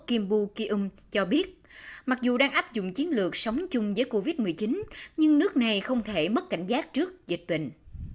kim bukium cho biết mặc dù đang áp dụng chiến lược sống chung với covid một mươi chín nhưng nước này không thể mất cảnh giác trước dịch bệnh